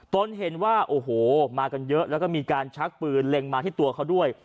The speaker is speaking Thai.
ตนเห็นว่าโอ้โหมากันเยอะแล้วก็มีการชักปืนเล็งมาที่ตัวเขาด้วย